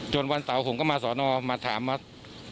จนวันเสาร์ผมก็มาสนะมาถามนี่